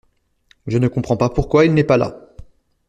Je ne comprends pas pourquoi il n'est pas là.